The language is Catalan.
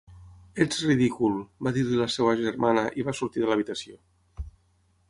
"Ets ridícul", va dir-li la seva germana i va sortir de l'habitació.